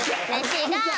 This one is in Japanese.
違う！